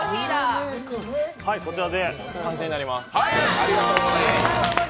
こちらで完成になります。